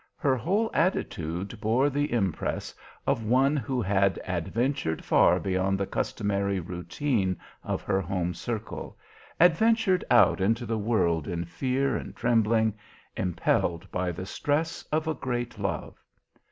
Her whole attitude bore the impress of one who had adventured far beyond the customary routine of her home circle, adventured out into the world in fear and trembling, impelled by the stress of a great love.